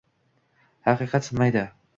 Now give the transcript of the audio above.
Haqiqat sinmaydi!